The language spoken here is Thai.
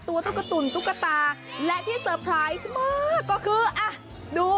ตุ๊กตุ๋นตุ๊กตาและที่เตอร์ไพรส์เสมอก็คืออ่ะดู